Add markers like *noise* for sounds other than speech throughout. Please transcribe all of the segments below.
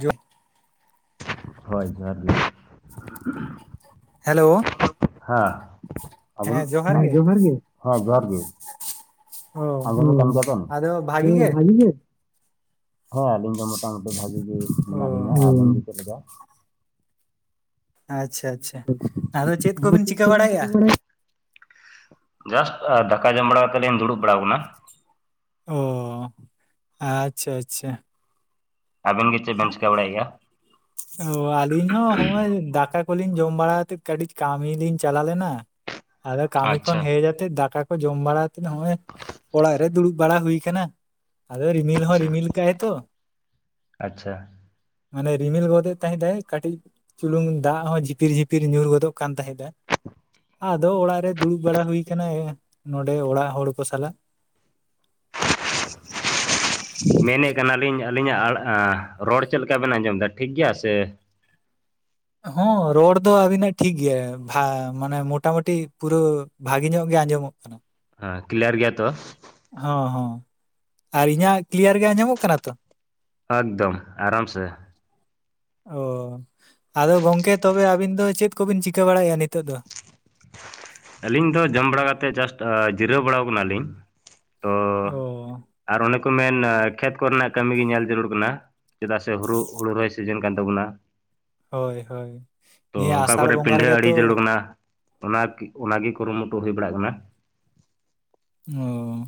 ᱡᱚ ᱦᱳᱭ ᱡᱚᱦᱟᱨ ᱜᱮ ᱦᱮᱞᱳ ᱦᱮᱸ *unintelligible* ᱦᱮᱸ ᱡᱚᱦᱟᱨ ᱜᱮ, ᱦᱮᱸ ᱡᱚᱦᱟᱨ ᱜᱮ ᱚ ᱟᱸᱡᱚᱢ ᱧᱟᱢ ᱮᱫᱟᱢ, ᱟᱫᱚ ᱦᱳᱭ ᱜᱮ ᱵᱷᱟᱜᱤ ᱜᱤᱭᱟᱹᱤᱧ ᱾ ᱦᱮᱸ ᱟᱹᱞᱤᱧ ᱫᱚ ᱢᱚᱴᱟᱢᱩᱴᱤ ᱵᱷᱟᱜᱤ ᱜᱮ ᱚ ᱢᱮᱱᱟᱜ ᱞᱤᱧᱟ ᱟᱹᱵᱤᱱ ᱜᱮ ᱪᱮᱫ ᱞᱮᱠᱟ? ᱟᱪᱪᱷᱟ ᱟᱪᱪᱷᱟ ᱟᱫᱚ ᱪᱮᱫ ᱠᱚᱵᱤᱱ ᱪᱤᱠᱟᱹ ᱵᱟᱲᱟᱭ ᱮᱫᱟ ᱡᱟᱥᱴ ᱟ ᱫᱟᱠᱟ ᱡᱚᱢ ᱵᱟᱲᱟ ᱠᱟᱛᱮ ᱞᱤᱧ ᱫᱩᱲᱩᱵ ᱵᱟᱲᱟ ᱟᱠᱟᱱᱟ ᱚᱻ ᱟᱪᱪᱷᱟ ᱟᱪᱪᱷᱟ ᱟᱵᱮᱱ ᱜᱮ ᱪᱮᱫ ᱵᱮᱱ ᱪᱤᱠᱟᱹ ᱵᱟᱲᱟᱭᱮᱫ ᱜᱮᱭᱟ ᱚ ᱟᱹᱞᱤᱧ ᱦᱚᱸ ᱦᱚᱸᱜᱼᱚᱭ ᱫᱟᱠᱟ ᱠᱚ ᱞᱤᱧ ᱡᱚᱢ ᱵᱟᱲᱟ ᱠᱟᱛᱮ ᱠᱟᱹᱴᱤᱡ ᱠᱟᱹᱢᱤ ᱞᱤᱧ ᱪᱟᱞᱟᱣ ᱞᱮᱱᱟ ᱟᱫᱚ ᱠᱟᱹᱢᱤ ᱠᱷᱚᱱ ᱟᱪᱪᱷᱟ ᱦᱮᱡ ᱠᱟᱛᱮ ᱫᱟᱠᱟ ᱠᱚ ᱡᱚᱢ ᱵᱟᱲᱟ ᱠᱟᱛᱮᱫ ᱦᱚᱜᱼᱚᱭ ᱚᱲᱟᱜ ᱨᱮ ᱫᱩᱲᱩᱵ ᱵᱟᱲᱟ ᱦᱩᱭ ᱟᱠᱟᱱᱟ ᱟᱫᱚ ᱨᱤᱢᱤᱞ ᱦᱚᱸ ᱟᱪᱪᱷᱟ ᱨᱤᱢᱤᱞ ᱠᱟᱜ-ᱟᱭ ᱛᱚ ᱟᱪᱪᱷᱟ ᱢᱟᱱᱮ ᱨᱤᱢᱤᱞ ᱜᱚᱫ ᱮᱫ ᱛᱟᱦᱮᱸᱫ ᱮ ᱠᱟᱴᱤᱡ ᱪᱩᱞᱩᱝ ᱫᱟᱜ ᱦᱚᱸ ᱡᱷᱤᱯᱤᱨ ᱡᱷᱤᱯᱤᱨ ᱧᱩᱨ ᱜᱚᱫᱚᱜ ᱠᱟᱱ ᱛᱟᱦᱮᱸᱫᱼᱟ ᱟᱫᱚ ᱚᱲᱟᱜ ᱨᱮ ᱫᱩᱲᱩᱵ ᱵᱟᱲᱟ ᱦᱩᱭ ᱟᱠᱟᱱᱟ ᱱᱚᱸᱰᱮ ᱚᱲᱟᱜ ᱦᱚᱲ ᱠᱚ ᱥᱟᱞᱟᱜ *unintelligible* ᱢᱮᱱᱮᱜ ᱠᱟᱱᱟᱞᱤᱧ ᱟᱹᱞᱤᱧᱟᱜ ᱟᱲ ᱟ ᱨᱚᱲ ᱪᱮᱫ ᱞᱮᱠᱟ ᱵᱮᱱ ᱟᱸᱡᱚᱢ ᱮᱫᱟ ᱴᱷᱤᱠ ᱜᱮᱭᱟ ᱥᱮ ᱦᱚᱸ ᱨᱚᱲ ᱫᱚ ᱟᱵᱤᱱᱟᱜ ᱴᱷᱤᱠ ᱜᱮᱭᱟ ᱵᱷᱟ ᱢᱟᱱᱮ ᱢᱚᱴᱟᱢᱩᱴᱤ ᱯᱩᱨᱟᱹ ᱵᱷᱟᱜᱮ ᱧᱚᱜ ᱜᱮ ᱟᱸᱡᱚᱢ-ᱚᱜ ᱠᱟᱱᱟ ᱦᱮᱸ ᱠᱞᱤᱭᱟᱨ ᱜᱮᱭᱟ ᱛᱚ ᱦᱚᱸ ᱦᱚᱸ ᱟᱨ ᱤᱧᱟᱜ ᱠᱞᱤᱭᱟᱨ ᱜᱮ ᱟᱸᱡᱚᱢ-ᱚᱜ ᱠᱟᱱᱟ ᱛᱚ? ᱟᱫᱽᱫᱚᱢ ᱟᱨᱟᱢ ᱥᱮ ᱚ ᱟᱫᱚ ᱜᱚᱝᱠᱮ ᱛᱚᱵᱮ ᱟᱹᱵᱤᱱ ᱫᱚ ᱪᱮᱫ ᱠᱚᱵᱤᱱ ᱪᱤᱠᱟᱹ ᱵᱟᱲᱟᱭᱮᱜᱼᱟ ᱱᱤᱛᱚᱜ ᱫᱚ? ᱟᱹᱞᱤᱧ ᱫᱚ ᱡᱚᱢ ᱵᱟᱲᱟ ᱠᱟᱛᱮᱫ ᱡᱟᱥᱴ ᱡᱤᱨᱟᱹᱣ ᱵᱟᱲᱟᱣ ᱟᱠᱟᱱᱟ ᱞᱤᱧ ᱾ ᱛᱚ ᱚ ᱟᱨ ᱚᱱᱮ ᱠᱚ ᱢᱮᱱ ᱠᱷᱮᱛ ᱠᱚᱨᱮᱱᱟᱜ ᱠᱟᱹᱢᱤ ᱜᱮ ᱧᱮᱞ ᱡᱟᱹᱨᱩᱲ ᱠᱟᱱᱟ ᱪᱮᱫᱟᱜ ᱥᱮ ᱦᱩᱲᱩ ᱦᱩᱲᱩ ᱨᱚᱦᱚᱭ ᱥᱤᱡᱤᱱ ᱠᱟᱱ ᱛᱟᱵᱚᱱᱟ ᱦᱳᱭ ᱦᱳᱭ ᱛᱚ ᱱᱤᱭᱟᱹ ᱚᱠᱟ ᱟᱥᱟᱲ ᱠᱚᱨᱮ ᱵᱚᱸᱜᱟ ᱯᱤᱰᱷᱟᱹ ᱨᱮᱜᱮ ᱛᱚ ᱟᱹᱰᱤ ᱡᱟᱹᱨᱩᱲ ᱠᱟᱱᱟ᱾ ᱚᱱᱟ ᱚᱱᱟ ᱜᱮ ᱠᱩᱨᱩᱢᱩᱴᱩ ᱦᱩᱭ ᱵᱟᱲᱟᱜ ᱠᱟᱱᱟ᱾ ᱚ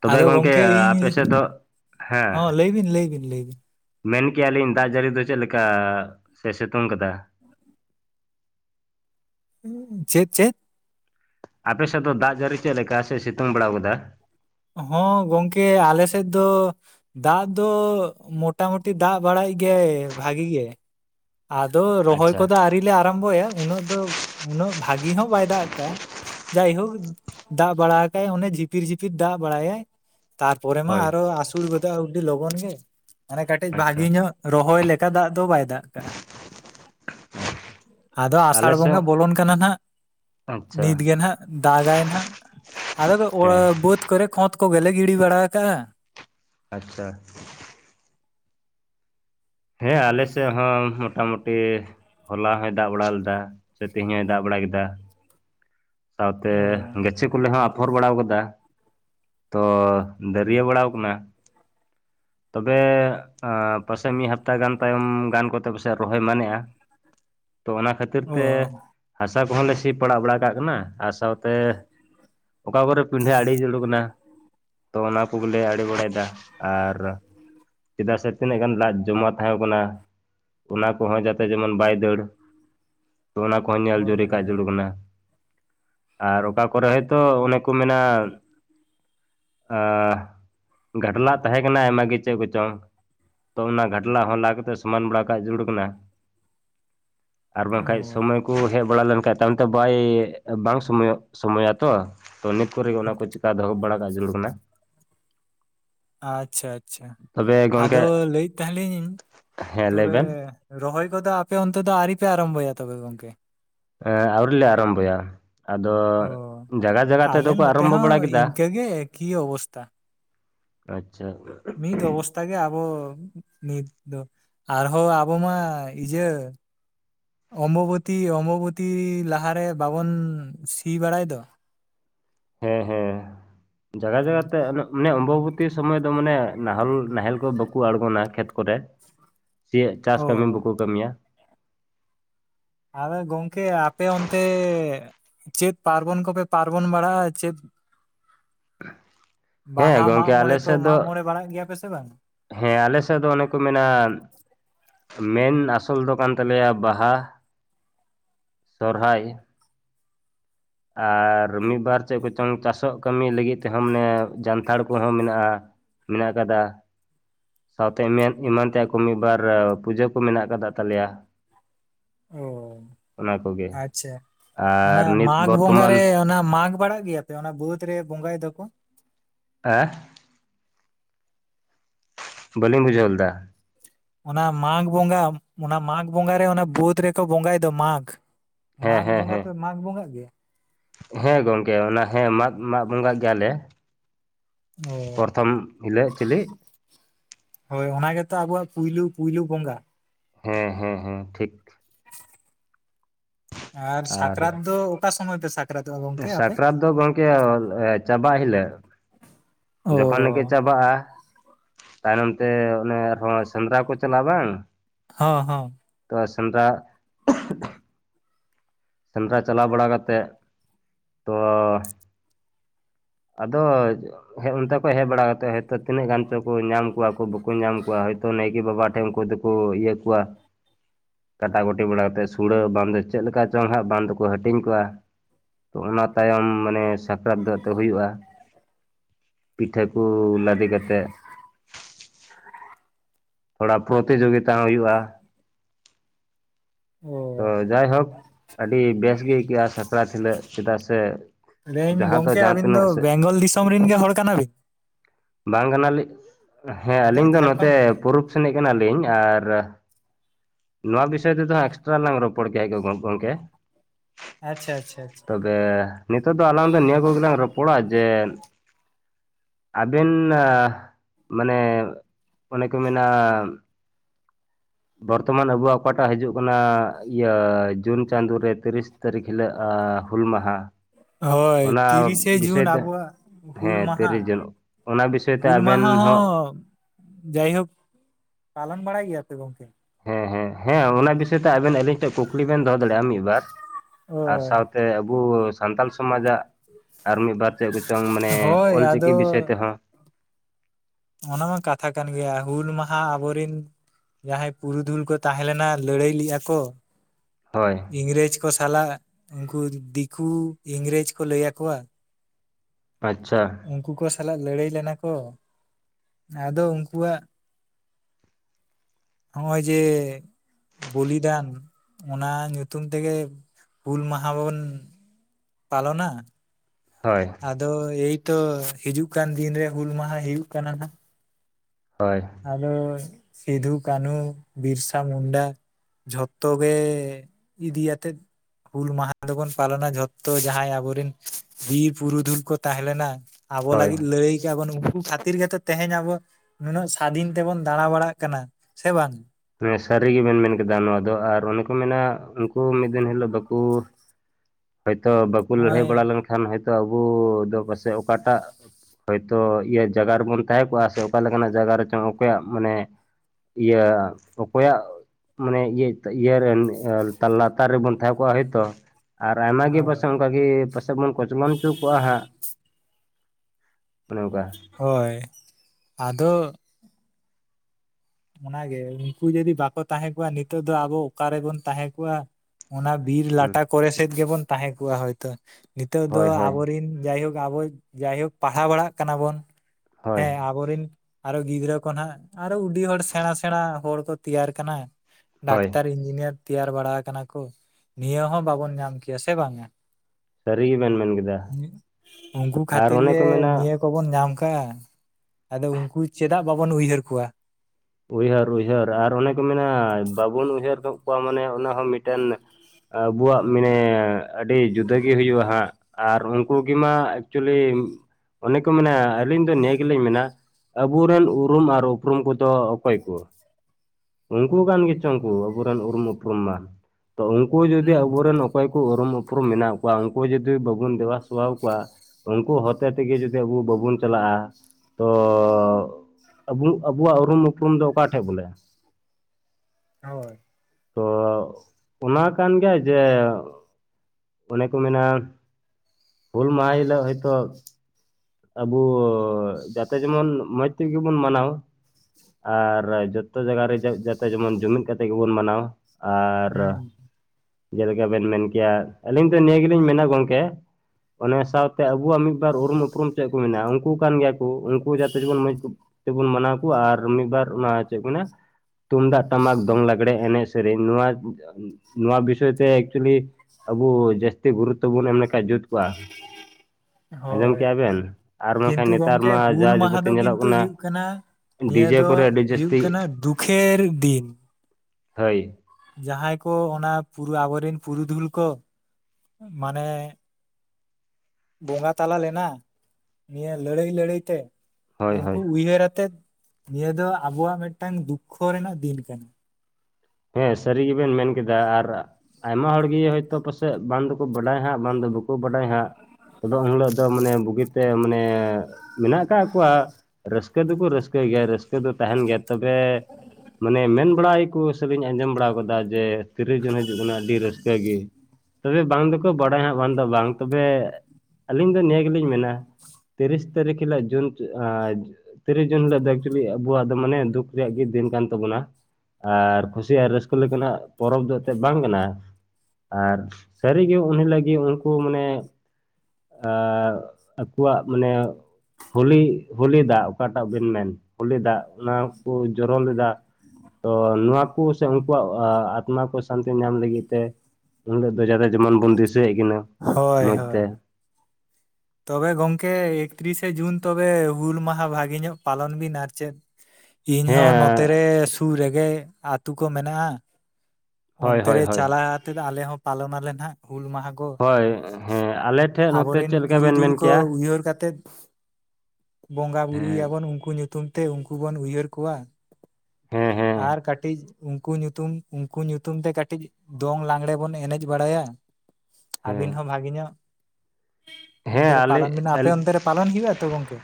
ᱛᱚᱵᱮ ᱟᱫᱚ ᱜᱚᱝᱠᱮ ᱜᱚᱢᱠᱮ ᱤᱧ ᱟᱯᱮ ᱥᱮᱫ ᱫᱚ ᱦᱚᱸ ᱦᱮᱸ ᱞᱟᱹᱭ ᱵᱤᱱ ᱞᱟᱹᱭ ᱵᱤᱱ ᱞᱟᱹᱭ ᱵᱤᱱ ᱢᱮᱱ ᱠᱮᱭᱟ ᱞᱤᱧ ᱫᱟᱜ ᱡᱟᱹᱲᱤ ᱫᱚ ᱪᱮᱫ ᱞᱮᱠᱟ ᱥᱮ ᱥᱤᱛᱩᱝ ᱠᱟᱫᱟ? ᱪᱮᱫ ᱪᱮᱫ ᱟᱯᱮ ᱥᱮᱫ ᱫᱚ ᱫᱟᱜ ᱡᱟᱹᱲᱤ ᱪᱮᱫ ᱞᱮᱠᱟ ᱥᱮ ᱥᱤᱛᱩᱝ ᱵᱟᱲᱟ ᱜᱚᱫᱟᱭ ᱦᱚᱸ ᱜᱚᱝᱠᱮ ᱟᱞᱮ ᱥᱮᱫ ᱫᱚ ᱫᱟᱜ ᱫᱚ ᱢᱚᱴᱟ ᱢᱩᱴᱤ ᱫᱟᱜ ᱵᱟᱲᱟᱭᱮᱫ ᱜᱮᱭᱟᱭ ᱵᱷᱟᱜᱤ ᱜᱮ ᱟᱫᱚ ᱨᱚᱦᱚᱭ ᱟᱪᱪᱷᱟ ᱠᱚᱫᱚ ᱟᱣᱨᱤᱞᱮ ᱟᱨᱟᱢᱵᱚᱭᱟ ᱩᱱᱟᱹᱜ ᱫᱚ ᱩᱱᱟᱹᱜ ᱵᱷᱟᱜᱤ ᱦᱚᱸ ᱵᱟᱭ ᱫᱟᱜ ᱟᱠᱟᱜᱼᱟ᱾ ᱡᱟᱭ ᱦᱳᱠ ᱫᱟᱜ ᱵᱟᱲᱟ ᱟᱠᱟᱫ ᱟᱭ ᱚᱱᱮ ᱡᱷᱤᱯᱤᱨ ᱡᱷᱤᱯᱤᱨ ᱫᱟᱜ ᱵᱟᱲᱟᱭᱟᱭ ᱛᱟᱨᱯᱚᱨᱮ ᱢᱟ ᱦᱳᱭ ᱟᱨᱚ ᱟᱹᱥᱩᱲ ᱜᱚᱫᱚᱜ ᱟᱹᱰᱤ ᱞᱚᱜᱚᱱ ᱜᱮ ᱢᱟᱱᱮ ᱠᱟᱹᱴᱤᱡ ᱟᱪᱪᱷᱟ ᱵᱷᱟᱜᱤ ᱧᱚᱜ ᱨᱚᱦᱚᱭ ᱞᱮᱠᱟ ᱫᱟᱜ ᱫᱚ ᱵᱟᱭ ᱫᱟᱜ ᱠᱟᱜᱼᱟ ᱟᱫᱚ ᱟᱞᱮ ᱟᱥᱟᱲ ᱵᱚᱸᱜᱟ ᱥᱮᱫ ᱵᱚᱞᱚᱱ ᱠᱟᱱᱟ ᱱᱟᱜ ᱟᱪᱪᱷᱟ ᱱᱤᱫ ᱜᱮ ᱱᱟᱜ ᱫᱟᱜ ᱟᱭ ᱱᱟᱜ ᱟᱞᱮ ᱫᱚ ᱦᱮᱸ ᱵᱟᱹᱫ ᱠᱚᱨᱮ ᱠᱷᱫᱽ ᱠᱚᱜᱮ ᱞᱮ ᱜᱤᱲᱤ ᱵᱟᱲᱟ ᱟᱠᱟᱜᱼᱟ᱾ ᱟᱪᱪᱷᱟ ᱦᱮᱸ ᱟᱞᱮ ᱥᱮᱫ ᱦᱚᱸ ᱢᱚᱴᱟᱢᱩᱴᱤ ᱦᱚᱞᱟ ᱦᱚᱭ ᱫᱟᱜ ᱵᱟᱲᱟ ᱞᱮᱫᱟ ᱥᱮ ᱛᱤᱦᱮᱧᱦᱚᱭ ᱫᱟᱜ ᱵᱟᱲᱟ ᱠᱮᱫᱟ᱾ ᱥᱟᱶᱛᱮ ᱚ ᱜᱟᱪᱷᱤ ᱠᱚᱞᱮ ᱦᱚᱸ ᱟᱯᱷᱚᱨ ᱵᱟᱲᱟ ᱠᱟᱫᱟ ᱛᱚ ᱫᱟᱹᱨᱭᱟᱹ ᱵᱟᱲᱟᱣ ᱠᱟᱱᱟ ᱛᱚᱵᱮ ᱯᱟᱥᱮ ᱢᱤᱫ ᱦᱟᱯᱛᱟ ᱜᱟᱱ ᱛᱟᱭᱚᱢ ᱜᱟᱱ ᱠᱚᱜ ᱯᱟᱥᱮ ᱨᱚᱦᱚᱭ ᱢᱟᱱᱮᱜᱼᱟ ᱛᱚ ᱚᱱᱟ ᱠᱷᱟᱹᱛᱤᱨ ᱠᱷᱟᱹᱛᱤᱨ ᱛᱮ ᱚ ᱦᱟᱥᱟ ᱠᱚᱦᱚᱸ ᱞᱮ ᱥᱤ ᱯᱟᱲᱟᱣ ᱵᱟᱲᱟ ᱠᱟᱜ ᱠᱟᱱᱟ ᱟᱨ ᱥᱟᱶᱛᱮ ᱚᱠᱟ ᱠᱚᱨᱮ ᱯᱤᱰᱷᱟᱹ ᱟᱲᱮ ᱧᱩᱹᱲᱷᱩ ᱠᱟᱱᱟ ᱛᱚ ᱚᱱᱟ ᱠᱚᱜᱮᱞᱮ ᱟᱲᱮ ᱵᱟᱲᱟᱭ ᱮᱫᱟ ᱟᱨ ᱪᱮᱫᱟᱜ ᱥᱮ ᱛᱤᱱᱟᱹᱜ ᱜᱟᱱ ᱫᱟᱜ ᱡᱚᱢᱟ ᱛᱟᱦᱮᱸ ᱠᱟᱱᱟ ᱚᱱᱟ ᱠᱚᱦᱚᱸ ᱡᱟᱛᱮ ᱡᱮᱢᱚᱱ ᱵᱟᱭ ᱫᱟᱹᱲ ᱚᱱᱟ ᱠᱚᱦᱚᱸ ᱧᱮᱞ ᱦᱳᱭ ᱡᱩᱨᱤ ᱠᱟᱜ ᱦᱳᱭ ᱡᱟᱹᱨᱩᱲ ᱠᱟᱱᱟ᱾ ᱟᱨ ᱚᱠᱟ ᱠᱚᱨᱮ ᱦᱚᱭᱛᱚ ᱚᱱᱮ ᱠᱚ ᱢᱮᱱᱟ ᱜᱷᱟᱴᱞᱟ ᱛᱟᱦᱮᱸ ᱠᱟᱱᱟ ᱟᱭᱢᱟ ᱜᱮ ᱪᱮᱫ ᱠᱚᱪᱚᱝ ᱛᱚ ᱚᱱᱟ ᱜᱷᱟᱴᱞᱟ ᱦᱚᱸ ᱞᱟ ᱠᱟᱛᱮ ᱥᱚᱢᱟᱱ ᱵᱟᱲᱟ ᱠᱟᱜ ᱡᱩᱨᱩᱲ ᱠᱟᱱᱟ *inaudible* ᱟᱨ ᱵᱟᱝᱠᱷᱟᱡ ᱚ ᱥᱚᱢᱚᱭ ᱠᱚ ᱦᱮᱡ ᱵᱟᱲᱟ ᱞᱮᱱᱠᱟᱱᱡ ᱛᱟᱭᱚᱢᱛᱮᱚ ᱵᱟᱭ ᱵᱟᱝ ᱥᱚᱢᱚᱭᱚᱜ ᱥᱚᱢᱚᱭᱟᱛᱚ ᱛᱚ ᱱᱤᱛ ᱠᱚᱨᱮ ᱜᱮ ᱚᱱᱟ ᱠᱚ ᱪᱤᱠᱟ ᱫᱚᱦᱚ ᱵᱟᱲᱟ ᱠᱟᱜ ᱡᱟᱹᱨᱩᱲ ᱠᱟᱱᱟ ᱟᱪᱪᱷᱟ ᱟᱪᱪᱷᱟ ᱛᱚᱵᱮ ᱜᱚᱝᱠᱮ ᱟᱫᱚ ᱞᱟᱹᱭᱮᱫ ᱛᱟᱦᱮᱱᱤᱧ ᱦᱮᱸ ᱞᱟᱹᱭ ᱛᱚᱵᱮ ᱵᱮᱱ ᱨᱚᱦᱚᱭ ᱠᱚᱫᱚ ᱟᱯᱮ ᱚᱱᱛᱮ ᱫᱚ ᱟᱣᱨᱤᱯᱮ ᱟᱨᱟᱢᱵᱚᱭᱟ ᱛᱚᱵᱮ ᱜᱚᱝᱠᱮ? ᱟᱣᱨᱤ ᱞᱮ ᱟᱨᱟᱢᱵᱚᱭᱟ ᱟᱫᱚ ᱚ ᱡᱟᱭᱜᱟ ᱡᱟᱭᱜᱟ ᱛᱮᱫᱚ ᱟᱞᱮ ᱠᱚ ᱱᱚᱛᱮ ᱟᱨᱟᱢᱵᱷᱚ ᱦᱚᱸ ᱵᱟᱲᱟ ᱠᱮᱫᱟ ᱤᱱᱠᱟᱹᱜᱮ ᱮᱠᱤ ᱚᱵᱚᱥᱛᱟ ᱟᱪᱪᱷᱟ ᱢᱤᱫ ᱚᱵᱚᱥᱛᱟ ᱜᱮ ᱟᱵᱚ ᱱᱤᱛ ᱫᱚ ᱟᱨᱦᱚᱸ ᱟᱵᱚ ᱢᱟ ᱤᱭᱟᱹ ᱚᱢᱵᱚᱵᱚᱛᱤ ᱚᱢᱵᱚᱵᱚᱛᱤ ᱞᱟᱦᱟᱨᱮ ᱵᱟᱵᱚᱱ ᱥᱤ ᱵᱟᱲᱟᱭ ᱫᱚ ᱦᱮᱸ ᱦᱮᱸ ᱡᱟᱜᱟ ᱦᱩᱸ ᱡᱟᱜᱟ ᱛᱮ ᱮ ᱢᱟᱱᱮ ᱚᱢᱵᱚᱵᱚᱛᱤ ᱥᱚᱢᱚᱭ ᱫᱚ ᱢᱟᱱᱮ ᱱᱟᱦᱮᱞ ᱱᱟᱦᱮᱞ ᱠᱚ ᱵᱟᱠᱚ ᱟᱲᱜᱚᱱᱟ ᱠᱷᱮᱛ ᱠᱚᱨᱮ᱾ ᱪᱮ ᱪᱟᱥ ᱠᱟᱹᱢᱤ ᱚ ᱵᱟᱠᱚ ᱠᱟᱹᱢᱤᱭᱟ ᱟᱫᱚ ᱜᱚᱝᱠᱮ ᱟᱯᱮ ᱚᱱᱛᱮ ᱪᱮᱫ ᱯᱟᱨᱵᱚᱱ ᱠᱚᱯᱮ ᱯᱟᱨᱵᱚᱱ ᱵᱟᱲᱟᱜᱼᱟ ᱪᱮᱫ ᱦᱮᱸ ᱵᱟᱦᱟ ᱢᱟᱜ ᱜᱚᱝᱠᱮ ᱢᱚᱬᱮ ᱟᱞᱮ ᱠᱚ ᱥᱮᱫ ᱫᱚ ᱢᱟᱜ ᱢᱚᱬᱮ ᱵᱟᱲᱟᱜ ᱜᱮᱭᱟ ᱯᱮᱥᱮ ᱵᱟᱝ-ᱟ? ᱦᱮᱸ ᱟᱞᱮᱥᱮᱫ ᱫᱚ ᱚᱱᱮ ᱠᱚ ᱢᱮᱱᱟ ᱢᱮᱱ ᱟᱥᱚᱞ ᱫᱚ ᱠᱟᱱ ᱛᱟᱞᱮᱭᱟ ᱵᱟᱦᱟ᱾ ᱥᱚᱨᱦᱟᱭ ᱟᱨ ᱢᱤᱫ ᱵᱟᱨ ᱪᱮᱫ ᱠᱚᱪᱚᱝ ᱪᱟᱥᱚᱜ ᱠᱟᱹᱢᱤ ᱞᱟᱹᱜᱤᱫ ᱛᱮᱦᱚᱸ ᱢᱟᱱᱮ ᱡᱟᱱᱛᱷᱟᱲ ᱠᱚᱦᱚᱸ ᱢᱮᱱᱟᱜᱼᱟ᱾ ᱢᱮᱱᱟᱜ ᱠᱟᱫᱟ ᱥᱟᱶᱛᱮᱟᱱ *unintelligible* ᱢᱮᱱ ᱢᱮᱱ ᱛᱮᱭᱟᱜ ᱠᱚ ᱢᱤᱫ ᱵᱟᱨ ᱯᱩᱡᱟᱹ ᱠᱚ ᱢᱮᱱᱟᱜ ᱟᱠᱟᱫ ᱛᱟᱞᱮᱭᱟ ᱚ ᱚᱱᱟ ᱠᱚᱜᱮ ᱟᱪᱪᱷᱟ ᱟᱨ ᱚᱱᱟ ᱱᱤᱛ ᱢᱟᱜᱽ ᱵᱚᱸᱜᱟ ᱨᱮ ᱵᱚᱨᱛᱚᱢᱟᱱ ᱚᱱᱟ ᱢᱟᱜᱽ ᱵᱟᱲᱟᱜ ᱜᱮᱭᱟᱯᱮ ᱚᱱᱟ ᱵᱟᱹᱫᱽ ᱨᱮ ᱵᱚᱸᱜᱟᱭ ᱫᱚᱠᱚ ᱦᱮᱸ ᱵᱟᱹᱞᱤᱧ ᱵᱩᱡᱟᱹᱣ ᱞᱮᱫᱟ ᱚᱱᱟ ᱢᱟᱜᱽ ᱵᱚᱸᱜᱟ ᱚᱱᱟ ᱢᱟᱜᱽ ᱵᱚᱸᱜᱟᱨᱮ ᱚᱱᱟ ᱵᱟᱹᱫᱽ ᱨᱮᱠᱚ ᱵᱚᱸᱜᱟᱭ ᱫᱚ ᱢᱟᱜᱽ ᱦᱮᱸ ᱢᱟᱜᱽ ᱦᱮᱸ ᱵᱚᱸᱜᱟ ᱦᱮᱸ ᱫᱚ ᱢᱟᱜᱽ ᱵᱚᱸᱜᱟᱟᱜ ᱜᱮ ᱦᱮᱸ ᱜᱚᱝᱠᱮ ᱚᱱᱟ ᱦᱮᱸ ᱢᱟᱜ ᱢᱟᱜ ᱵᱚᱸᱜᱟ ᱜᱮᱭᱟᱞᱮ ᱚ ᱯᱨᱚᱛᱷᱚᱢ ᱦᱤᱞᱳᱜ ᱪᱤᱞᱤ ᱦᱚᱭ ᱚᱱᱟ ᱜᱮᱛᱚ ᱟᱵᱚᱣᱟᱜ ᱯᱩᱭᱞᱩ ᱯᱩᱭᱞᱩ ᱵᱚᱸᱜᱟ ᱦᱮᱸ ᱦᱮᱸ ᱦᱮᱸ ᱴᱷᱤᱠ ᱟᱨ ᱥᱟᱠᱨᱟᱛ ᱫᱚ ᱚᱠᱟ ᱥᱚᱢᱚᱭ ᱯᱮ ᱥᱟᱠᱨᱟᱛ ᱥᱟᱠᱨᱟᱛ ᱫᱚ ᱜᱚᱝᱠᱮ ᱪᱟᱵᱟᱜ ᱦᱤᱞᱟᱹᱜ ᱡᱚᱠᱷᱚᱱ ᱜᱮ ᱚ ᱪᱟᱵᱟᱜᱼᱟ ᱛᱟᱭᱱᱚᱢ ᱛᱮ ᱚᱱᱮ ᱟᱨᱦᱚᱸ ᱥᱮᱸᱫᱽᱨᱟ ᱠᱚ ᱪᱟᱞᱟᱜᱼᱟ ᱵᱟᱝ ᱦᱚᱸ ᱦᱚᱸ ᱛᱚ *unintelligible* ᱥᱮᱸᱫᱽᱨᱟ ᱥᱮᱸᱫᱽᱨᱟ ᱪᱟᱞᱟᱣ ᱵᱟᱲᱟ ᱠᱟᱛᱮᱫ ᱛᱚ᱾ ᱟᱫᱚ ᱚᱱᱛᱮ ᱠᱷᱚᱱ ᱦᱮᱡ ᱵᱟᱲᱟ ᱠᱟᱛᱮᱫ ᱦᱚᱭᱛᱳ, ᱛᱤᱱᱟᱹᱜ ᱜᱟᱱ ᱪᱚ ᱠᱚ ᱧᱟᱢ ᱠᱚᱣᱟ᱾ ᱵᱟᱠᱚ ᱧᱟᱢ ᱠᱚᱣᱟ᱾ ᱦᱳᱭ ᱛᱚ ᱱᱟᱭᱠᱮ ᱵᱟᱵᱟ ᱴᱷᱮᱱ ᱩᱱᱠᱩ ᱫᱚᱠᱚ ᱤᱭᱟᱹ ᱠᱚᱣᱟ᱾ ᱠᱟᱴᱟ ᱜᱩᱴᱤ ᱵᱟᱲᱟ ᱠᱟᱛᱮᱫ ᱥᱩᱲᱟᱹ ᱵᱟᱝ ᱫᱚ ᱪᱮᱫ ᱞᱮᱠᱟ ᱪᱚᱝ ᱦᱟᱸᱜ ᱵᱟᱝ ᱫᱚᱠᱚ ᱦᱟᱹᱴᱤᱧ ᱠᱚᱣᱟ? ᱛᱚ ᱚᱱᱟ ᱛᱟᱭᱚᱢ ᱢᱟᱱᱮ ᱥᱟᱠᱨᱟᱛ ᱦᱩᱭᱩᱜᱼᱟ᱾ ᱯᱤᱴᱷᱟᱹ ᱠᱚ ᱞᱟᱫᱮ ᱠᱟᱛᱮ ᱛᱷᱚᱲᱟ ᱯᱨᱚᱛᱤ ᱡᱩᱜᱤᱛᱟ ᱦᱩᱭᱩᱜᱼᱟ᱾ ᱚ ᱛᱚ ᱡᱟᱭᱦᱳᱠ ᱟᱹᱰᱤ ᱵᱮᱥ ᱜᱮ ᱟᱹᱭᱠᱟᱹᱜᱼᱟ᱾ ᱥᱟᱠᱨᱟᱛ ᱦᱤᱞᱳᱜ ᱪᱮᱫᱟᱜ ᱥᱮ ᱞᱟ. ᱭ ᱤᱧ ᱡᱟᱦᱟᱸ ᱫᱚ ᱜᱚᱢᱠᱮ, ᱡᱟᱦᱟᱸ ᱟᱹᱵᱤᱱ ᱫᱚ ᱛᱤᱱᱟᱹᱜ ᱥᱮ ᱵᱮᱝᱜᱚᱞ ᱫᱤᱥᱚᱢ ᱨᱮᱱ ᱜᱮ ᱦᱚᱲ ᱠᱟᱱᱟᱵᱤᱱ ᱵᱟᱝ ᱠᱟᱱᱟᱞᱤᱧ᱾ ᱦᱮᱸ ᱟᱫᱚ ᱟᱹᱞᱤᱧ ᱫᱚ ᱱᱚᱛᱮ ᱡᱷᱟᱲᱠᱷᱚᱸᱰ ᱯᱩᱨᱩ ᱥᱮᱱᱮᱫ ᱠᱟᱱᱟᱞᱤᱧ ᱟᱨ ᱱᱚᱣᱟ ᱵᱤᱥᱚᱭ ᱛᱮᱫᱚ ᱮᱠᱥᱴᱨᱟ ᱞᱟᱝ ᱨᱚᱯᱚᱲ ᱠᱮᱭᱟ ᱜᱚᱢᱠᱮ᱾ ᱟᱪᱪᱷᱟ ᱟᱪᱪᱷᱟ ᱟᱪᱪᱷᱟ ᱛᱚᱵᱮ ᱱᱤᱛᱚᱜ ᱫᱚ ᱟᱞᱟᱝ ᱫᱚ ᱱᱤᱭᱟᱹ ᱠᱚ ᱜᱮᱞᱟᱝ ᱨᱚᱯᱚᱲᱟ ᱡᱮ ᱟᱵᱮᱱ, ᱢᱟᱱᱮ ᱚᱱᱮ ᱠᱚ ᱢᱮᱱᱟ᱾ ᱵᱚᱨᱛᱚ ᱢᱟᱱ ᱟᱵᱚᱣᱟᱜ ᱚᱠᱟᱴᱟᱜ ᱦᱤᱡᱩᱜ ᱠᱟᱱᱟ ᱤᱭᱟᱹ ᱡᱩᱱ ᱪᱟᱸᱫᱳ ᱨᱮ ᱛᱤᱨᱤᱥ ᱛᱟᱹᱨᱤᱠᱷ ᱦᱤᱞᱳᱜ ᱦᱩᱞ ᱢᱟᱦᱟ᱾ ᱦᱳᱭ ᱚᱱᱟ ᱛᱤᱨᱤᱥᱮ ᱵᱤᱥᱚᱭ ᱡᱩᱱ ᱛᱮ ᱟᱵᱚᱣᱟᱜ ᱦᱩᱞ ᱦᱮᱸ ᱢᱟᱦᱟ᱾ ᱛᱤᱨᱤᱥ ᱡᱩᱱ ᱚᱱᱟ ᱵᱤᱥᱚᱭ ᱛᱮ ᱦᱩᱞ ᱢᱟᱦᱟ ᱟᱵᱮᱱ ᱦᱚᱸ ᱡᱟᱭᱦᱳᱠ ᱯᱟᱞᱚᱱ ᱵᱟᱲᱟᱭ ᱜᱮᱭᱟ ᱯᱮ ᱜᱚᱢᱠᱮ? ᱦᱮᱸ ᱦᱮᱸ ᱦᱮᱸ, ᱚᱱᱟ ᱵᱤᱥᱚᱭ ᱛᱮ ᱟᱵᱮᱱ ᱟᱞᱤᱧ ᱴᱷᱮᱱ ᱠᱩᱠᱞᱤ ᱵᱮᱱ ᱫᱚᱦᱚ ᱫᱟᱲᱮᱭᱟᱜᱼᱟ, ᱢᱤᱫ ᱵᱟᱨ᱾ ᱟᱨ ᱚ ᱥᱟᱶᱛᱮ ᱟᱵᱚ ᱥᱟᱱᱛᱟᱞ ᱥᱚᱢᱟᱡᱟᱜ ᱟᱨ ᱢᱤᱫ ᱵᱟᱨ ᱪᱮᱫ ᱠᱚ ᱪᱚᱝ ᱢᱟᱱᱮ ᱦᱳᱭ ᱚᱞ ᱪᱤᱠᱤ ᱟᱫᱚ ᱵᱤᱥᱚᱭ ᱛᱮᱦᱚᱸ᱾ ᱚᱱᱟ ᱢᱟ ᱠᱟᱛᱷᱟ ᱠᱟᱱ ᱜᱮᱭᱟ ᱦᱩᱞ ᱢᱟᱦᱟ ᱟᱵᱚ ᱨᱤᱱ ᱡᱟᱦᱟᱸᱭ ᱯᱩᱨᱩᱫᱷᱩᱞ ᱠᱚ ᱛᱟᱦᱮᱸ ᱞᱮᱱᱟ ᱞᱟᱹᱲᱦᱟᱹᱭ ᱞᱮᱫᱜᱼᱟ ᱠᱚ᱾ ᱦᱳᱭ ᱤᱝᱨᱮᱡᱽ ᱠᱚ ᱥᱟᱞᱟᱜ, ᱩᱱᱠᱩ ᱫᱤᱠᱩ ᱤᱝᱨᱮᱡᱽ ᱠᱚ ᱞᱟᱹᱭ ᱟᱠᱚᱣᱟ᱾ ᱟᱪᱪᱷᱟ ᱩᱱᱠᱩ ᱠᱚ ᱥᱟᱞᱟᱜ ᱞᱟᱹᱲᱟᱹᱭ ᱞᱮᱱᱟ ᱠᱚ ᱟᱫᱚ ᱩᱱᱠᱩᱣᱟᱜ ᱱᱚᱜᱼᱚᱭ ᱡᱮ ᱵᱚᱞᱤᱫᱟᱱ᱾ ᱚᱱᱟ ᱧᱩᱛᱩᱢ ᱛᱮᱜᱮ ᱦᱩᱞ ᱢᱟᱦᱟ ᱵᱚᱱ ᱯᱟᱞᱚᱱᱟ᱾ ᱦᱳᱭ ᱟᱫᱚ ᱮᱭᱛᱚ ᱦᱤᱡᱩᱜ ᱠᱟᱱ ᱫᱤᱱᱨᱮ ᱦᱩᱞ ᱢᱟᱦᱟ ᱦᱮᱭᱩᱜ ᱠᱟᱱᱟᱼᱱᱟᱸᱜ᱾ ᱦᱳᱭ ᱟᱫᱚ ᱥᱤᱫᱷᱩ, ᱠᱟᱹᱱᱩ, ᱵᱤᱨᱥᱟ ᱢᱩᱱᱰᱟᱼᱼ ᱡᱷᱚᱛᱚ ᱜᱮ ᱤᱫᱤᱼᱤᱭᱟᱛᱮᱫ᱾ ᱦᱩᱞ ᱢᱟᱦᱟ ᱫᱚᱵᱚᱱ ᱯᱟᱞᱚᱱᱟ᱾ ᱡᱷᱚᱛᱚ ᱡᱟᱦᱟᱭ ᱟᱵᱚ ᱨᱤᱱ ᱵᱤᱨ ᱯᱩᱨᱩᱫᱷᱩᱞ ᱠᱚ ᱛᱟᱦᱮᱸ ᱞᱮᱱᱟ᱾ ᱟᱵᱚ ᱦᱳᱭ ᱞᱟᱹᱜᱤᱫ ᱞᱟᱹᱲᱟᱭ ᱠᱟᱜᱼᱟ ᱵᱚᱱ ᱩᱱᱠᱩ ᱠᱷᱟᱹᱛᱤᱨ ᱜᱮᱛᱚ ᱛᱮᱦᱮᱧ ᱟᱵᱚ ᱱᱩᱱᱟᱹᱜᱼᱼ ᱥᱟᱹᱫᱷᱤᱱ ᱛᱮᱵᱚᱱ ᱫᱟᱬᱟ ᱵᱟᱲᱟᱜ ᱠᱟᱱᱟ ᱥᱮ ᱵᱟᱝ? ᱦᱮ ᱥᱟᱹᱨᱤ ᱜᱮᱵᱮᱱ ᱢᱮᱱ ᱠᱮᱫᱟ᱾ ᱱᱚᱣᱟ ᱫᱚ ᱟᱨ ᱚᱱᱮ ᱠᱚ ᱢᱮᱱᱟ ᱩᱱᱠᱩ ᱢᱤᱫ ᱫᱤᱱ ᱦᱤᱞᱳᱜ ᱵᱟᱠᱩ ᱦᱚᱭᱛᱳ ᱵᱟᱠᱚ ᱞᱟᱹᱲᱦᱟᱹᱭ ᱱᱚᱜᱼᱚᱭ ᱵᱟᱲᱟ ᱞᱮᱱᱠᱷᱟᱱ ᱦᱚᱭᱛᱳ ᱟᱵᱩ-ᱩ ᱫᱚ ᱯᱟᱥᱮᱜ ᱚᱠᱟᱴᱟᱜᱼᱼ ᱦᱳᱭᱛᱳ ᱤᱭᱟᱹ ᱡᱟᱭᱜᱟ ᱨᱮᱵᱚᱱ ᱛᱟᱦᱮᱸ ᱠᱚᱜᱼᱟ ᱥᱮ ᱚᱠᱟ ᱞᱮᱠᱟᱱᱟᱜ ᱡᱟᱭᱜᱟ ᱨᱮᱪᱚᱝ ᱚᱠᱚᱭᱟᱜ ᱢᱟᱱᱮᱼᱼ ᱤᱭᱟᱹ ᱚᱠᱚᱭᱟᱜᱼᱼ ᱢᱟᱱᱮ *unintelligible* ᱤᱭᱟᱹ ᱨᱮᱱ ᱛᱟᱨ ᱞᱟᱛᱟᱨ ᱨᱮᱵᱚᱱ ᱛᱟᱦᱮᱸ ᱠᱚᱜᱼᱟ, ᱦᱳᱭᱛᱚ ᱟᱨ ᱟᱭᱢᱟ ᱜᱮ ᱦᱳᱭ ᱯᱟᱥᱮᱜ ᱚᱱᱠᱟ ᱼᱼ ᱮ ᱯᱟᱥᱮᱜ ᱵᱚᱱ ᱠᱚᱪᱢᱚᱱ ᱪᱳ ᱠᱚᱣᱟ ᱦᱟᱸᱜ᱾ ᱚᱱᱮ ᱚᱱᱠᱟᱼᱼ ᱦᱳᱭ ᱟᱫᱚᱼᱼ ᱚᱱᱟ ᱜᱮ ᱱᱩᱠᱩ ᱡᱩᱫᱤ ᱵᱟᱠᱚ ᱛᱟᱦᱮᱸ ᱠᱚᱜᱼᱟ, ᱱᱤᱛᱚᱜ ᱫᱚ ᱟᱵᱚ ᱚᱠᱟ ᱨᱮᱵᱚᱱ ᱛᱟᱦᱮᱸ ᱠᱚᱜᱼᱟ? ᱚᱱᱟ ᱵᱤᱨ ᱦᱩᱸ ᱞᱟᱴᱟ ᱠᱚᱨᱮ ᱥᱮᱫ ᱜᱮᱵᱚᱱ ᱛᱟᱦᱮᱸ ᱠᱚᱜᱼᱟ᱾ ᱦᱳᱭᱛᱳ ᱱᱤᱛᱚᱜ ᱫᱚ ᱦᱳᱭ ᱦᱳᱭ ᱟᱵᱚᱨᱤᱱ ᱡᱟᱭᱦᱳᱠᱼᱼ ᱟᱵᱚ ᱡᱟᱭᱦᱳᱠ ᱯᱟᱲᱦᱟᱣ ᱵᱟᱲᱟᱜ ᱠᱟᱱᱟ ᱵᱚᱱ ᱦᱳᱭ ᱦᱮᱸ᱾ ᱠᱚᱨᱤᱱ ᱟᱨᱚ ᱜᱤᱫᱽᱨᱟᱹ ᱠᱚ ᱱᱟᱸᱜ, ᱟᱨᱚ ᱩᱰᱤ ᱦᱚᱲ ᱥᱮᱬᱟ ᱥᱮᱬᱟ ᱦᱚᱲ ᱠᱚ ᱛᱮᱭᱟᱨᱟᱠᱟᱱᱟ ᱦᱳᱭ ᱰᱟᱠᱛᱟᱨ ᱤᱧᱡᱤᱱᱤᱭᱟᱨ ᱛᱮᱭᱟᱨ ᱵᱟᱲᱟ ᱟᱠᱟᱱᱟ ᱠᱚ, ᱱᱤᱭᱟᱹ ᱦᱚᱸ ᱵᱟᱵᱚᱱ ᱧᱟᱢ ᱠᱮᱭᱟ ᱥᱮ ᱵᱟᱝ - ᱥᱟᱹᱨᱤ ᱜᱮᱵᱮᱱ ᱢᱮᱱ ᱠᱮᱫᱟ ᱟ ᱾ ᱩᱱᱠᱩ ᱟᱨ ᱠᱷᱟᱹᱛᱤᱨ ᱚᱱᱮ ᱜᱮ ᱠᱚ ᱢᱮᱱᱟ ᱱᱤᱭᱟᱹ ᱠᱚᱵᱚᱱ ᱧᱟᱢ ᱠᱟᱜ- ᱟ ᱟᱫᱚ ᱩᱱᱠᱩ ᱪᱮᱫᱟᱜ ᱵᱟᱵᱚᱱ ᱩᱭᱦᱟᱹᱨ ᱠᱩᱣᱟ ᱾ ᱩᱭᱦᱟᱹᱨ ᱩᱭᱦᱟᱹᱨ ᱟᱨ ᱚᱱᱮ ᱠᱚ ᱢᱮᱱᱟ ᱵᱟᱵᱚᱱ ᱩᱭᱦᱟᱹᱨ ᱫᱚ- ᱠᱚᱣᱟ ᱢᱟᱱᱮ ᱚᱱᱟ ᱦᱚᱸ ᱢᱤᱫᱴᱮᱱ ᱟᱵᱩᱣᱟᱜ ᱢᱮᱱᱮ ᱟᱹᱰᱤ ᱡᱩᱫᱟᱹ ᱜᱮ ᱦᱩᱭᱩᱜᱼᱟ ᱦᱟᱸᱜ ᱟᱨ ᱩᱱᱠᱩ ᱜᱮᱢᱟ ᱮᱠᱪᱩᱞᱤᱢ ᱚᱱᱮ ᱠᱚ ᱢᱮᱱᱟ ᱟᱹᱞᱤᱧ ᱫᱚ ᱱᱤᱭᱟᱹ ᱜᱮᱞᱤᱧ ᱢᱮᱱᱟ ᱟᱵᱩᱨᱮᱱ ᱩᱨᱩᱢ ᱟᱨ ᱩᱯᱨᱩᱢ ᱠᱚᱫᱚ ᱚᱠᱚᱭ ᱠᱩ ᱩᱱᱠᱩ ᱠᱟᱱ ᱜᱮᱪᱚᱝ ᱠᱩ ᱟᱵᱩᱨᱮᱱ ᱩᱨᱩᱢ ᱩᱯᱩᱨᱩᱢ ᱢᱟ ᱛᱚ ᱩᱱᱠᱩ ᱡᱩᱫᱤ ᱦᱩᱸ ᱟᱵᱚᱨᱮᱱ ᱚᱠᱚᱭ ᱠᱚ *unintelligible* ᱩᱯᱨᱩᱢ ᱢᱮᱱᱟᱜ ᱠᱚᱣᱟ ᱩᱱᱠᱩ ᱡᱩᱫᱤ ᱵᱟᱵᱩᱱ ᱫᱮᱵᱟ ᱥᱮᱵᱟᱣ ᱠᱚᱣᱟ ᱩᱱᱠᱩ ᱦᱚᱛᱮ ᱛᱮᱜᱮ ᱡᱩᱫᱤ ᱟᱵᱩ ᱵᱟᱵᱩᱱ ᱪᱟᱞᱟᱜᱼᱟ, ᱛᱚ *unintelligible* ᱟᱵᱩᱣᱟᱜ ᱩᱨᱩᱢ ᱩᱯᱨᱩᱢ ᱫᱚ ᱚᱠᱟ ᱴᱷᱮᱜ ᱵᱚᱞᱮ ᱦᱚᱭ ᱛᱚ ᱚᱱᱟ ᱠᱟᱱ ᱜᱮᱭᱟ ᱡᱮ ᱚᱱᱮ ᱠᱚ ᱢᱮᱱᱟ ᱦᱩᱞ ᱢᱟᱦᱟ ᱦᱤᱞᱚᱜ ᱦᱚᱭᱛᱚ ᱟᱵᱩ ᱡᱟᱛᱮ ᱡᱮᱢᱚᱱ ᱢᱚᱸᱡᱽ ᱛᱮᱜᱮ ᱵᱚᱱ ᱢᱟᱱᱟᱣᱟ ᱟᱨ ᱡᱚᱛᱚ ᱡᱟᱭᱜᱟ ᱨᱮ *unintelligible* ᱡᱟᱛᱮ ᱡᱮᱢᱚᱱ ᱡᱩᱢᱤᱫ ᱠᱟᱛᱮ ᱜᱮᱵᱚᱱ ᱢᱟᱱᱟᱣᱟ ᱟᱨ ᱦᱩᱸ ᱡᱮᱞᱮᱠᱟ ᱵᱮᱱ ᱢᱮᱱ ᱠᱮᱭᱟ ᱟᱹᱞᱤᱧ ᱫᱚ ᱱᱤᱭᱟᱹ ᱜᱮᱞᱤᱧ ᱢᱮᱱᱟ ᱜᱚᱝᱠᱮ ᱚᱱᱮ ᱥᱟᱶᱛᱮ ᱟᱵᱩᱣᱟᱜ ᱢᱤᱫᱵᱟᱨ ᱩᱨᱩᱢ ᱩᱯᱨᱩᱢ ᱪᱮᱜ ᱠᱩ ᱢᱮᱱᱟ ᱩᱱᱠᱩ ᱠᱟᱱ ᱜᱮᱭᱟ ᱠᱚ ᱩᱱᱠᱩ ᱡᱟᱛᱮ ᱡᱮᱢᱚᱱ ᱢᱚᱡᱽ ᱠᱚ- ᱛᱮᱵᱚᱱ ᱢᱟᱱᱟᱣ ᱠᱩᱣᱟ ᱟᱨ ᱢᱤᱫ ᱵᱟᱨ ᱚᱱᱟ ᱪᱮᱫ ᱢᱮᱱᱟ ᱛᱩᱢᱫᱟᱜ ᱴᱟᱢᱟᱠ ᱫᱚᱝ ᱞᱟᱜᱽᱲᱮ ᱮᱱᱮᱡ ᱥᱮᱨᱮᱧ ᱱᱩᱣᱟ *unintelligible* ᱱᱚᱣᱟ ᱵᱤᱥᱚᱭ ᱛᱮ ᱮᱠᱪᱩᱞᱤ ᱟᱵᱩ ᱡᱟᱥ ᱛᱤ ᱵᱩᱨᱩ ᱛᱮᱵᱩᱱ ᱮᱢ ᱞᱮᱠᱷᱟᱱ ᱡᱩᱛ ᱠᱚᱜᱼᱟ ᱟᱸᱡᱚᱢ ᱦᱳᱭ ᱠᱮᱜᱼᱟ ᱵᱮᱱ, ᱟᱨ ᱠᱤᱱᱛᱩ ᱵᱟᱝᱠᱷᱟᱱ ᱱᱮᱛᱟᱨ ᱜᱚᱝᱠᱮ ᱢᱟ ᱦᱩᱞ ᱡᱟ ᱢᱟᱦᱟ ᱡᱟᱵᱚᱛᱤ ᱫᱚ ᱧᱮᱞᱚᱜ ᱠᱤᱱᱛᱩ ᱦᱩᱭᱩᱜ ᱠᱟᱱᱟ ᱠᱟᱱᱟᱼᱼ ᱱᱤᱭᱟᱹ ᱰᱤᱡᱮ ᱫᱚ ᱠᱚᱨᱮ ᱟᱹᱰᱤ ᱦᱩᱭᱩᱜ ᱡᱟᱹᱥᱛᱤ ᱠᱟᱱᱟ ᱫᱩᱠᱷᱮᱨ ᱫᱤᱱ ᱾ ᱦᱚᱹᱭ ᱾ ᱡᱟᱦᱟᱸᱭ ᱠᱚ ᱚᱱᱟ ᱯᱩᱨ ᱟᱵᱚᱨᱤᱱ ᱯᱩᱨᱩᱫᱷᱩᱞ ᱠᱚ ᱢᱟᱱᱮᱼᱼ ᱵᱚᱸᱜᱟ ᱛᱟᱞᱟ ᱞᱮᱱᱟ ᱱᱤᱭᱟᱹ ᱞᱟᱹᱲᱟᱹᱭ ᱞᱟᱹᱲᱟᱹᱭ ᱛᱮ, ᱦᱳᱭ ᱦᱳᱭ ᱩᱱᱠᱩ ᱩᱭᱦᱟᱹᱨ ᱟᱛᱮᱫ ᱱᱤᱭᱟᱹ ᱫᱚ ᱟᱵᱚᱣᱟᱜ ᱢᱤᱫᱴᱟᱝ ᱫᱩᱠᱠᱷᱚ ᱨᱮᱱᱟᱜ ᱫᱤᱱ ᱠᱟᱱᱟ᱾ ᱦᱮᱸ ᱥᱟᱹᱨᱤ ᱜᱮᱵᱤᱱ ᱢᱮᱱ ᱠᱮᱫᱟ ᱟᱨᱼᱼ ᱟᱭᱢᱟ ᱦᱚᱲᱜᱤ ᱦᱚᱭᱛᱚ ᱯᱟᱥᱮᱜ ᱵᱟᱝ ᱫᱚᱠᱩ ᱵᱟᱰᱟᱭ ᱦᱟᱸᱜ ᱵᱟᱝ ᱫᱚ ᱵᱟᱠᱩ ᱵᱟᱰᱟᱭ ᱦᱟᱸᱜ *unintelligible* ᱩᱱ ᱦᱤᱞᱚᱜ ᱫᱚ ᱢᱟᱱᱮ ᱵᱩᱜᱤᱛᱮ ᱢᱟᱱᱮ ᱢᱮᱱᱟᱜ ᱟᱠᱟᱫ ᱠᱚᱣᱟ ᱨᱟᱹᱥᱠᱟᱹ ᱫᱚᱠᱚ ᱨᱟᱹᱥᱠᱟᱹᱭ ᱜᱮᱭᱟ ᱨᱟᱹᱥᱠᱟᱹ ᱫᱚ ᱛᱟᱦᱮᱸᱱ ᱜᱮᱭᱟ ᱛᱚᱵᱮ ᱢᱟᱱᱮ ᱢᱮᱱ ᱵᱟᱲᱟᱭ ᱠᱚ *unintelligible* ᱟᱸᱡᱚᱢ ᱵᱟᱲᱟ ᱠᱟᱫᱟ ᱡᱮ ᱛᱤᱨᱤᱥ ᱡᱩᱱ ᱦᱤᱡᱩᱜ ᱠᱟᱱᱟ ᱟᱹᱰᱤ ᱨᱟᱹᱥᱠᱟᱹ ᱜᱮ ᱛᱚᱵᱮ ᱵᱟᱝ ᱫᱚᱠᱚ ᱵᱟᱲᱟᱭ ᱦᱟᱸᱜ ᱵᱟᱝ ᱫᱚ ᱵᱟᱝ ᱛᱚᱵᱮ ᱟᱹᱞᱤᱧ ᱫᱚ ᱱᱤᱭᱟᱹ ᱜᱮᱞᱤᱧ ᱢᱮᱱᱟ ᱛᱤᱨᱤᱥ ᱛᱟᱹᱨᱤᱠᱷ ᱦᱤᱞᱚᱜ ᱡᱩᱱ ᱟᱸ ᱛᱤᱨᱤᱥ ᱡᱩᱱ ᱦᱤᱞᱚᱜ ᱫᱚ ᱮᱠᱪᱩᱞᱤ ᱟᱵᱚᱣᱟᱜ ᱫᱚ ᱢᱟᱱᱮ ᱫᱩᱠ ᱨᱮᱭᱟᱜ ᱜᱮ ᱫᱤᱱ ᱠᱟᱱ ᱛᱟᱵᱚᱱᱟ ᱟᱨ ᱠᱩᱥᱤ ᱟᱨ ᱨᱟᱹᱥᱠᱟᱹ ᱞᱮᱠᱟᱱᱟᱜ ᱯᱚᱨᱚᱵᱽ ᱫᱚ ᱮᱱᱛᱮᱫ ᱵᱟᱝ ᱠᱟᱱᱟ ᱾ ᱟᱨ ᱥᱟᱹᱨᱤᱜᱮ ᱩᱱ ᱦᱤᱞᱚᱜ ᱜᱮ ᱩᱱᱠᱩ ᱢᱟᱱᱮ ᱟᱸ ᱟᱠᱚᱣᱟᱜ ᱢᱟᱱᱮ ᱦᱩᱞᱤ ᱦᱩᱞᱤ ᱫᱟᱜᱽ ᱚᱠᱟᱴᱟᱜ ᱵᱮᱱ ᱢᱮᱱ ᱦᱩᱞᱤ ᱫᱟᱜᱽ ᱚᱱᱟ ᱠᱚ ᱡᱚᱨᱚ ᱞᱮᱫᱟ, ᱛᱚ ᱱᱚᱣᱟ ᱠᱚ ᱥᱮ ᱩᱱᱠᱩᱣᱟᱜ ᱟᱸ ᱟᱛᱢᱟ ᱠᱚ ᱥᱟᱱᱛᱤ ᱧᱟᱢ ᱞᱟᱹᱜᱤᱫ ᱛᱮ ᱚᱱᱰᱮ ᱫᱚ ᱡᱟᱫᱟ ᱡᱮᱢᱚᱱ ᱵᱚᱱ ᱫᱤᱥᱟᱹᱭᱮᱜ ᱠᱤᱱᱟ ᱾ ᱦᱳᱭ ᱦᱳᱭ ᱾ ᱛᱚᱵᱮ ᱜᱚᱝᱠᱮ ᱮᱠᱛᱨᱤᱥᱮ ᱡᱩᱱ ᱛᱚᱵᱮ ᱦᱩᱞ ᱢᱟᱦᱟ ᱵᱷᱟᱜᱮ ᱧᱚᱜ ᱯᱟᱞᱚᱱ ᱵᱤᱱ ᱟᱨ ᱪᱮᱫ? ᱦᱮᱸ ᱤᱧᱦᱚᱸ ᱱᱚᱛᱮᱨᱮ ᱥᱩᱨ ᱨᱮᱜᱮ ᱟᱛᱩ ᱠᱚ ᱢᱮᱱᱟᱜᱼᱟ, ᱦᱳᱭ ᱚᱱᱛᱮ ᱦᱳᱭ ᱨᱮ ᱦᱳᱭ ᱪᱟᱞᱟ ᱦᱟᱛᱮᱫ ᱟᱞᱮ ᱦᱚᱸ ᱯᱟᱞᱚᱱᱟᱞᱮ ᱱᱟᱸᱜ ᱦᱩᱞ ᱢᱟᱦᱟ ᱾ ᱜᱚ ᱦᱳᱭ ᱦᱮᱸ ᱟᱞᱮ ᱴᱷᱮᱡ ᱱᱚᱛᱮ ᱟᱵᱚᱨᱤᱱ ᱪᱮᱫ ᱞᱮᱠᱟ ᱵᱮᱱ ᱯᱩᱨᱩᱫᱷᱩᱞ ᱢᱮᱱ ᱠᱚ ᱠᱮᱭᱟ ᱩᱭᱦᱟᱹᱨ ᱠᱟᱛᱮᱫ ᱵᱚᱸᱜᱟ ᱦᱮᱸ ᱵᱩᱨᱩᱭᱟᱵᱚᱱ ᱩᱱᱠᱩ ᱧᱩᱛᱩᱢ ᱛᱮ ᱩᱱᱠᱩ ᱵᱚᱱ ᱩᱭᱦᱟᱹᱨ ᱠᱚᱣᱟ᱾ ᱦᱮᱸ ᱦᱮᱸ ᱟᱨ ᱠᱟᱹᱴᱤᱡᱼᱼᱼ ᱩᱱᱠᱩ ᱧᱩᱛᱩᱢ, ᱩᱱᱠᱩ ᱧᱩᱛᱩᱢ ᱛᱮ ᱠᱟᱹᱴᱤᱡ ᱫᱚᱝ, ᱞᱟᱜᱽᱬᱮ, ᱵᱚᱱ ᱮᱱᱮᱡ ᱵᱟᱲᱟᱭᱼᱟ᱾ ᱦᱮᱸ ᱟᱹᱵᱤᱱ ᱦᱚᱸ- ᱵᱷᱟᱜᱮ ᱧᱚᱜ ᱦᱮᱸ ᱚᱱᱛᱮ ᱨᱮ ᱟᱞᱮ ᱯᱟᱞᱚᱱ ᱵᱮᱮ ᱚᱱᱛᱮ ᱨᱮ ᱯᱟᱞᱚᱱ ᱦᱩᱭᱩᱜᱼᱟ᱾ ᱛᱚ ᱜᱚᱝᱠᱮᱼᱼᱼ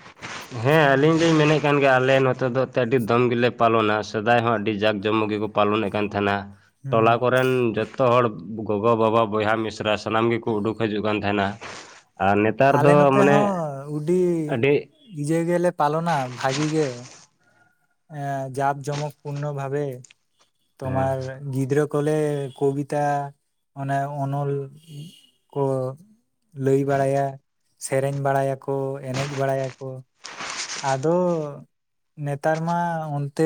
ᱦᱮᱸ ᱟᱞᱤᱧ ᱞᱤᱧ ᱢᱮᱱᱮᱫ ᱠᱟᱱ ᱜᱮᱭᱟ᱾ ᱟᱞᱮ ᱱᱚᱛᱮ ᱫᱚ ᱟᱹᱰᱤ ᱫᱚᱢ ᱜᱮᱞᱮ ᱯᱟᱞᱚᱱᱟ᱾ ᱥᱮᱫᱟᱭ ᱦᱚᱸ ᱟᱹᱰᱤ ᱡᱟᱠᱼᱼᱼ ᱡᱚᱢᱚᱠ ᱜᱮᱠᱚ ᱯᱟᱞᱚᱱᱮᱫ ᱠᱟᱱ ᱛᱟᱦᱮᱱᱟ ᱾ ᱦᱩᱸ ᱴᱚᱞᱟ ᱠᱚᱨᱮᱱ ᱡᱚᱛᱚᱼᱼ ᱡᱚᱛᱚ ᱦᱚᱲ ᱜᱚᱜᱚ, ᱵᱟᱵᱟ, ᱵᱚᱭᱦᱟ, ᱢᱤᱥᱨᱟ, ᱥᱟᱱᱟᱢ ᱜᱮᱠᱚ ᱩᱰᱩᱠ ᱦᱤᱡᱩᱜ ᱠᱟᱱ ᱛᱟᱦᱮᱸᱱᱟ᱾ ᱟᱨ ᱱᱤᱛᱼᱼᱼ ᱟᱞᱮ ᱱᱚᱛᱮ ᱦᱚᱸ ᱟᱹᱰᱤ ᱟᱹᱰᱤ ᱤᱭᱟᱹ ᱜᱮᱞᱮ ᱯᱟᱞᱚᱱᱟ᱾ ᱵᱷᱟᱜᱤ ᱜᱮ᱾ ᱮᱻ ᱡᱟᱠ ᱡᱚᱢᱚᱠ ᱯᱩᱨᱱᱚ ᱵᱷᱟᱵᱮ ᱛᱳᱢᱟᱨᱼᱼᱼ ᱜᱤᱫᱽᱨᱟᱹ ᱠᱚᱞᱮ ᱠᱚᱵᱤᱛᱟ ᱟᱱᱮ ᱚᱱᱚᱞ ᱠᱚᱼᱼ ᱞᱟᱹᱭ ᱵᱟᱲᱟᱭᱟ, ᱥᱮᱨᱮᱧ ᱵᱟᱲᱟᱭᱟᱠᱚ, ᱮᱱᱮᱡ ᱵᱟᱲᱟᱭᱟᱠᱚ᱾ ᱟᱫᱚᱸᱻ ᱱᱮᱛᱟᱨ ᱢᱟᱼ ᱚᱱᱛᱮ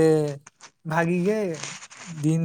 ᱵᱷᱟᱜᱤ ᱜᱮ ᱫᱤᱱ